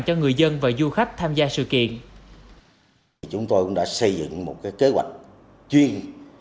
cho người dân và du khách tham gia sự kiện